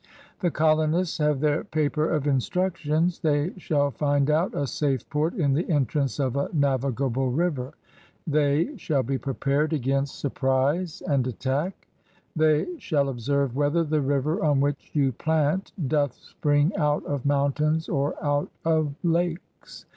The colonists have their paper of instructions. They shall find out a safe port in the entrance of a navigable river. They shall be prepared against THE THREE SHIPS SAIL 7 surprise and attack. They shall observe "" whether the river on which you plant doth spring out of mountains or out of lakes.